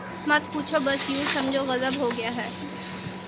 ”مت پوچھو بس یوں سمجھو، غضب ہو گیا ہے۔